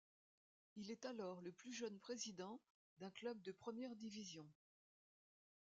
Il est alors le plus jeune président d'un club de première division.